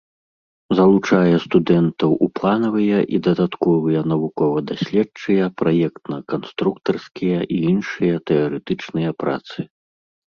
Залучае студэнтаў у планавыя і дадатковыя навукова-даследчыя, праектна-канструктарскія і іншыя тэарэтычныя працы.